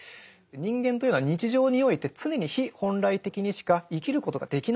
人間というのは日常において常に非本来的にしか生きることができないんだ。